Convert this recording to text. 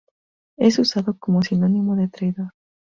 Es usado como sinónimo de traidor.